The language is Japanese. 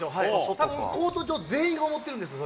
たぶんコート上、全員が思ってるんです。